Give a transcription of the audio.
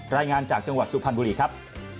รายงานจากจังหวัดสุพรรณบุรีครับ